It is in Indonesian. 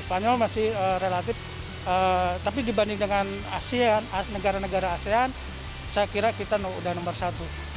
spanyol masih relatif tapi dibanding dengan asean negara negara asean saya kira kita sudah nomor satu